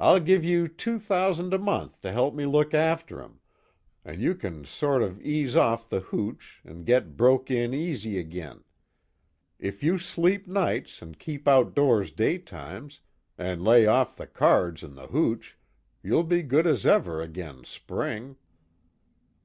I'll give you two thousand a month to help me look after 'em, an' you can sort of ease off the hooch, an' get broke in easy agin. If you sleep nights, an' keep out doors daytimes, an' lay off the cards an' the hooch, you'll be good as ever agin spring."